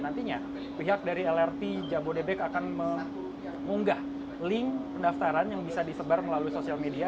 nantinya pihak dari lrt jabodebek akan mengunggah link pendaftaran yang bisa disebar melalui sosial media